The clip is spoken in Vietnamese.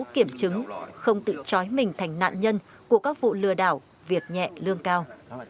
kiểm chứng không tự chói mình thành nạn nhân của các vụ lừa đảo việc nhẹ lương cao